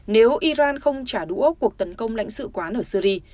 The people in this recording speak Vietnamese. nếu iran không trả đũa cuộc tấn công lãnh sự quán ở syri